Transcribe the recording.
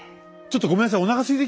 ちょっとごめんなさい。